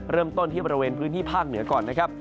เริ่มต้นที่บริเวณพื้นที่ภาคเหนือก่อนนะครับ